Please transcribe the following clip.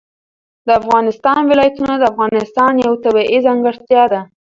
د افغانستان ولايتونه د افغانستان یوه طبیعي ځانګړتیا ده.